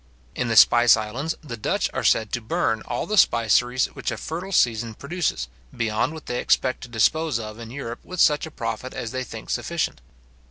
In the spice islands, the Dutch are said to burn all the spiceries which a fertile season produces, beyond what they expect to dispose of in Europe with such a profit as they think sufficient.